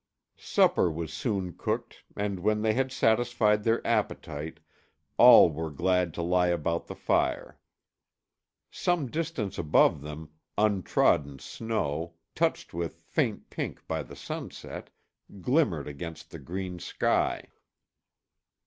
Supper was soon cooked and when they had satisfied their appetite all were glad to lie about the fire. Some distance above them, untrodden snow, touched with faint pink by the sunset, glimmered against the green sky.